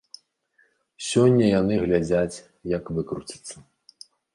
Сёння яны глядзяць, як выкруціцца.